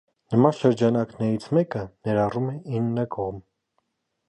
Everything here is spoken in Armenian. Նման շրջանակներից մեկը ներառում է ինը կողմ։